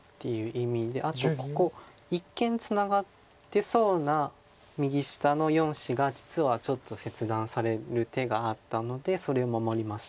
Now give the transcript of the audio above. あとここ一見ツナがってそうな右下の４子が実はちょっと切断される手があったのでそれを守りました。